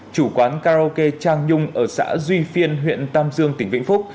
chủ quán karaoke trang nhung ở xã duy phiên huyện tam dương tỉnh vĩnh phúc